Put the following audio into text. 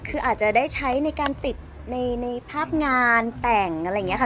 คืออาจจะได้ใช้ในการติดในภาพงานแต่งอะไรอย่างนี้ค่ะ